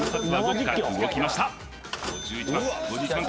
動きました